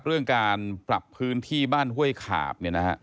เรื่องการปรับพื้นที่บ้านเฮ้ยขาบ